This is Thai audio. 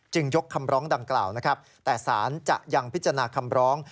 ยกคำร้องดังกล่าวนะครับแต่สารจะยังพิจารณาคำร้อง